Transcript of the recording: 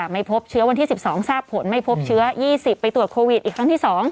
ไม่พบเชื้อวันที่๑๒ทราบผลไม่พบเชื้อ๒๐ไปตรวจโควิดอีกครั้งที่๒